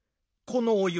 このお湯